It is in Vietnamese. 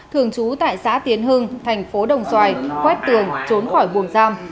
thường trú tại xã tiến hưng tp đồng xoài quét tường trốn khỏi buồn giam